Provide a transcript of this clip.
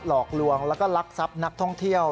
หลอกลวงแล้วก็ลักทรัพย์นักท่องเที่ยว